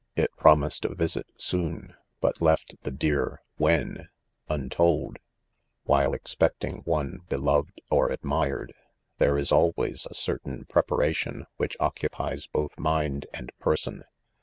It' promised a visit soon, but left the dear when untold* 6 While expecting one beloved or admired, there is always a certain preparation which occupies both mind and person.